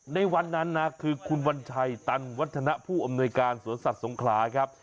ในวันนั้นนะคือคุณวัญชัยตันวัฒนะผู้อำนวยการสวนสัตว์สงขลาครับ